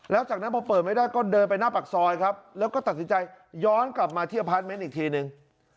แล้วจากนั้นพอเปิดไม่ได้ก็เดินไปหน้าปากซอยครับแล้วก็ตัดสินใจย้อนกลับมาที่อพาร์ทเมนต์อีกทีนึง